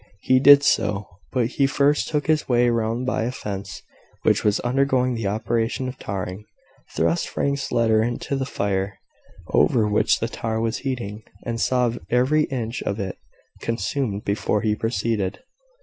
He did so: but he first took his way round by a fence which was undergoing the operation of tarring, thrust Frank's letter into the fire over which the tar was heating, and saw every inch of it consumed before he proceeded.